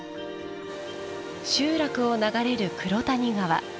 集落を流れる黒谷川。